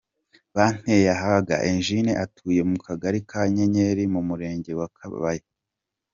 Bantegeyahaga Eugenie atuye mu kagari ka Nyenyeri mu murenge wa Kabaya.